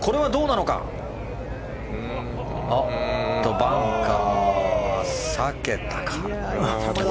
バンカーは避けたか。